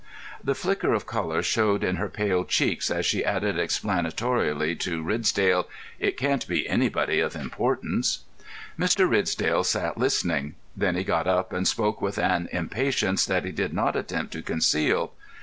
The flicker of colour showed in her pale cheeks as she added explanatorily to Ridsdale, "It can't be anybody of importance." Mr. Ridsdale sat listening. Then he got up, and spoke with an impatience that he did not attempt to conceal.